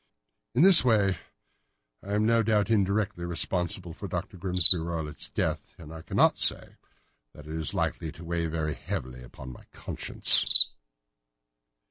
In this way I am no doubt indirectly responsible for Dr. Grimesby Roylott's death, and I cannot say that it is likely to weigh very heavily upon my conscience."